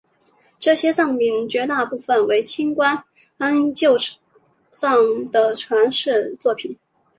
这些藏品绝大部分为清宫旧藏的传世作品。